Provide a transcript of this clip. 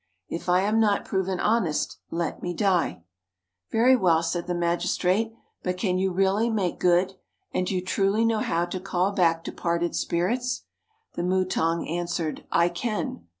If I am not proven honest, let me die." "Very well," said the magistrate; "but can you really make good, and do you truly know how to call back departed spirits?" The mutang answered, "I can."